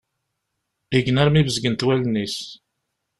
Igen armi bezgent wallen-is.